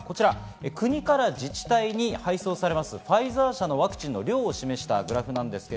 国から自治体に配送されるファイザー社のワクチンの量を示したグラフです。